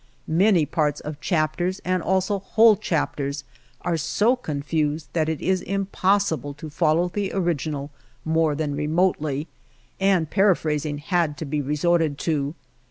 Many parts of chapters and also whole chap ters are so confused that it is impos sible to follow the original more than re motely, and paraphrasing had to be resorted to.